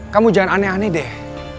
kamu jangan aneh aneh deh